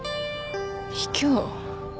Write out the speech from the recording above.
ひきょう？